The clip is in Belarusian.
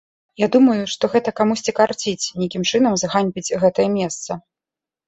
Я думаю, што гэта камусьці карціць нейкім чынам зганьбіць гэтае месца.